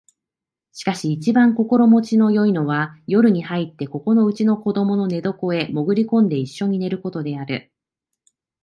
しかし一番心持ちの好いのは夜に入ってここのうちの子供の寝床へもぐり込んで一緒に寝る事である